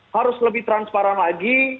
harus lebih transparan lagi